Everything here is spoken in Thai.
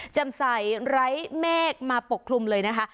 จำใสไร้เมฆมาปกคลุมเลยนะคะ